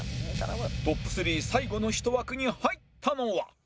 トップ３最後の１枠に入ったのは